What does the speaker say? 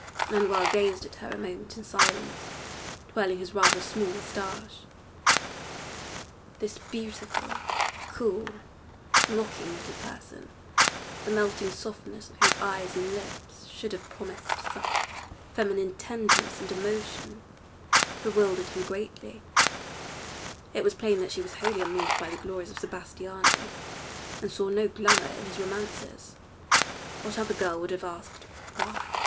Manuel gazed at her a moment in silence, twirling his rather small mustacha. This beautiful, cool, mocking little person, the melting softness of whose eyes and lips should have promised such feminine tenderness and emotion, bewildered him greatly; it was plain that she was wholly unmoved by the glories of Sebastiano, and saw no glamour in his romances. What other girl would have asked "Why?"